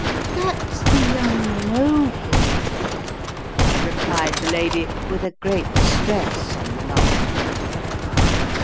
" That's the young Nobleman," replied the lady, with a great stress on the last word.